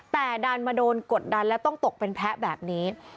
แต่ดันมาโดนกดดันและต้องตกเป็นแพ้แบบนี้